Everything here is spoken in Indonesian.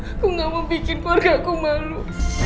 aku gak mau bikin keluarga aku malu